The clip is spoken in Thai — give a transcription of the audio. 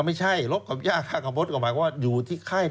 ไม่ใช่ลบกับหญ้าข้ากระมดก็หมายว่าอยู่ที่ไข้